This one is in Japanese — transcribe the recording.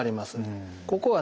ここはね